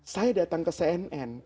saya datang ke cnn